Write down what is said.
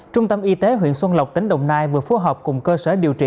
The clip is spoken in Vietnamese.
trung tâm y tế huyện xuân lộc tỉnh đồng nai vừa phối hợp cùng cơ sở điều trị